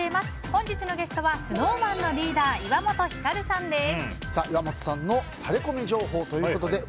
本日のゲストはＳｎｏｗＭａｎのリーダー岩本照さんです。